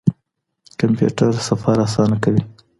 کمپيوټر سفر آسانه کوي.